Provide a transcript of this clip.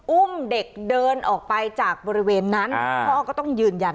อุ้มเด็กเดินออกไปจากบริเวณนั้นพ่อก็ต้องยืนยัน